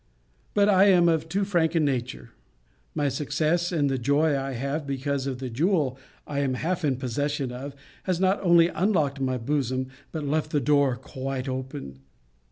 But I am of too frank a nature: my success, and the joy I have because of the jewel I am half in possession of, has not only unlocked my bosom, but left the door quite open.